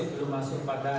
tapi kita masuk pada transisi